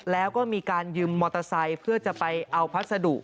แล้วก็มีการยืมมอเตอร์ไซค์เพื่อจะไปเอาพัสดุ